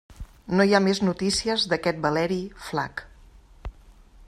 No hi ha més notícies d'aquest Valeri Flac.